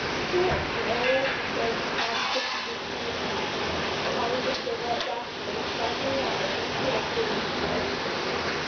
"Don't, Joe," begged Tom, twitching his sleeve. Polly looked over at Jasper, with sparkling eyes, and the color flew into her cheeks.